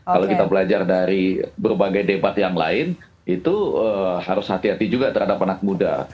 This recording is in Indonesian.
kalau kita belajar dari berbagai debat yang lain itu harus hati hati juga terhadap anak muda